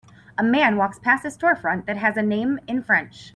A man walks past a storefront that has a name in French.